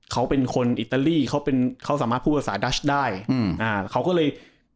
เขาเป็นคนอิตาลีเขาเป็นเขาสามารถพูดภาษาดัชได้อืมอ่าเขาก็เลย